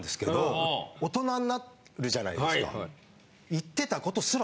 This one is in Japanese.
行ってたことすら。